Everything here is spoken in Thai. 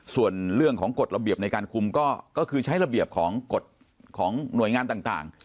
ส่วนเรื่องของกฎระเบียบในการคุมก็คือใช้ระเบียบของกฎของหน่วยงานต่าง